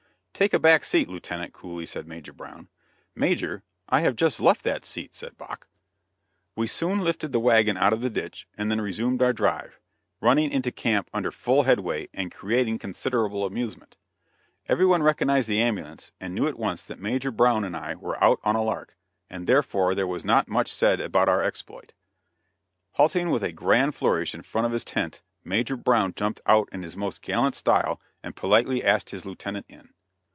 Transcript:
"Take a back seat, Lieutenant," coolly said Major Brown. "Major, I have just left that seat," said Bache. We soon lifted the wagon out of the ditch, and then resumed our drive, running into camp under full headway, and creating considerable amusement. Every one recognized the ambulance and knew at once that Major Brown and I were out on a "lark," and therefore there was not much said about our exploit. Halting with a grand flourish in front of his tent, Major Brown jumped out in his most gallant style and politely asked his lieutenant in.